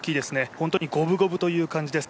ホントに五分五分という感じです。